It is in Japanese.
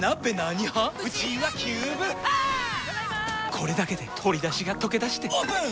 これだけで鶏だしがとけだしてオープン！